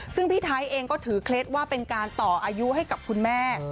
ซึ่งพี่ไทยเองก็ถือเคล็ดว่าเป็นการต่ออายุให้กับคุณแม่